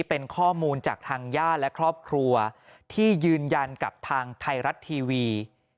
เป็นข้อมูลจากทางญาติและครอบครัวที่ยืนยันกับทางไทยรัฐทีวี